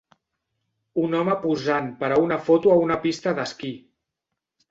Un home posant per a una foto a una pista d'esquí.